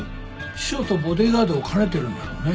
秘書とボディーガードを兼ねてるんだろうね。